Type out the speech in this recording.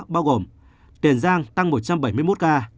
bao gồm tiền giang tăng một trăm bảy mươi một ca